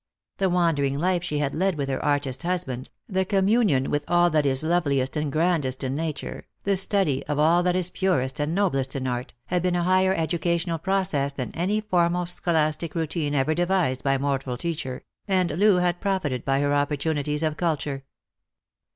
The wandering life she had led with her artist husband, the communion with all that is love liest and grandest in nature, the study of all that is purest and noblest in art, had been a higher educational process than any formal scholastic routine ever devised by mortal teacher, and Loo had profited by her opportunities of culture.